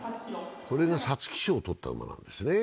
皐月賞をとった馬なんですね。